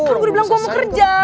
kan gue udah bilang gue mau kerja